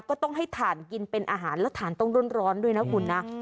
ก็ต้องให้ถ่านกินเป็นอาหารแล้วถ่านต้องร้อนด้วยนะคุณนะ